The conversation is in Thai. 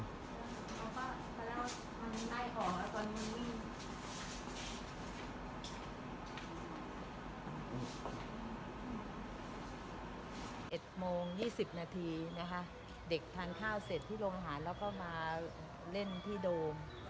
๑๑โมง๒๐นาทีนะคะเด็กทานข้าวเสร็จที่โรงหารแล้วก็มาเล่นที่โดม